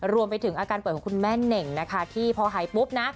รวมไปถึงอาการป่วยของคุณแม่เน่งนะคะที่พอหายปุ๊บนะ